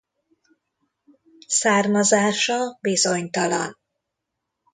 Származása bizonytalan.